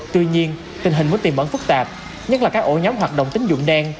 tuy nhiên tình hình mối tìm vấn phức tạp nhất là các ổ nhóm hoạt động tín dụng đen